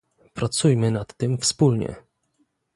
Pracujmy nad tym wspólnie